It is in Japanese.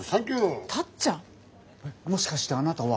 もしかしてあなたは。